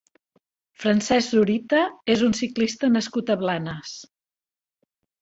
Francesc Zurita és un ciclista nascut a Blanes.